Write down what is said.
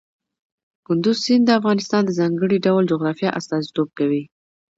کندز سیند د افغانستان د ځانګړي ډول جغرافیه استازیتوب کوي.